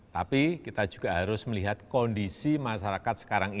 tapi kita juga harus melihat kondisi masyarakat sekarang ini